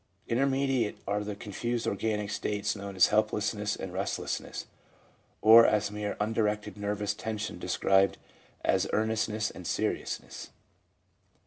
Intermediate are the confused organic states known as helplessness and rest lessness, or as mere undirected nervous tension described as earnestness and seriousness.